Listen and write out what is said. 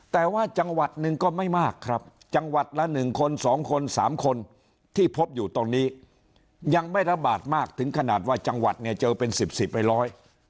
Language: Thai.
แต่ว่าจังหวัดหนึ่งก็ไม่มากครับจังหวัดละหนึ่งคนสองคนสามคนที่พบอยู่ตรงนี้ยังไม่ระบาดมากถึงขนาดว่าจังหวัดเนี่ยเจอเป็นสิบสิบไอ้ร้อย